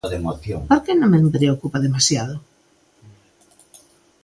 ¿Por que non me preocupa demasiado?